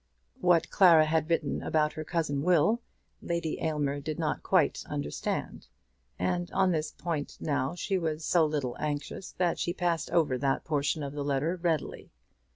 What Clara had written about her cousin Will, Lady Aylmer did not quite understand; and on this point now she was so little anxious that she passed over that portion of the letter readily.